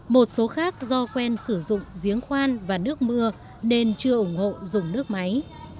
một số khác do quen sử dụng giếng khoan và nước mưa nên chưa ủng hộ dùng nước máy